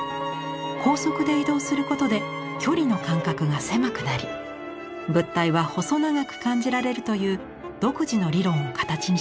高速で移動することで距離の感覚が狭くなり物体は細長く感じられるという独自の理論を形にしました。